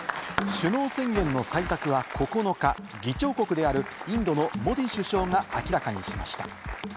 首脳宣言の採択は９日、議長国であるインドのモディ首相が明らかにしました。